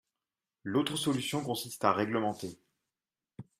L’autre solution consiste à réglementer.